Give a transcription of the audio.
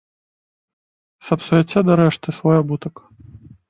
Сапсуяце дарэшты свой абутак.